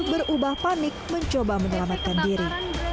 berubah panik mencoba menyelamatkan diri